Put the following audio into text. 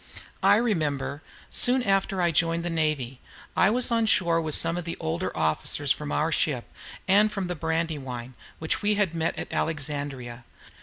I remember, soon after I joined the navy, I was on shore with some of the older officers from our ship and from the "Brandywine," which we had met at Alexandria.